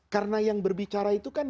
karena yang berbicara itu kan